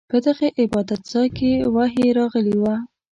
په دغه عبادت ځاې کې وحې راغلې وه.